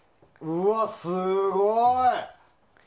うわ、すごい。